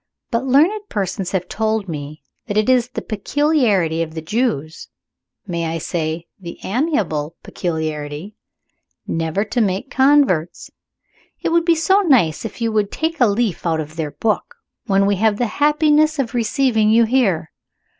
But learned persons have told me that it is the peculiarity of the Jews may I say, the amiable peculiarity? never to make converts. It would be so nice if you would take a leaf out of their book, when we have the happiness of receiving you here.